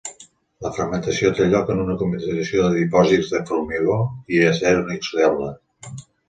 La fermentació té lloc en una combinació de dipòsits de formigó i acer inoxidable.